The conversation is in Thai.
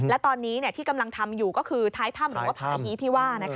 และตอนนี้ที่กำลังทำอยู่ก็คือท้ายถ้ำหรือว่าผาฮีที่ว่า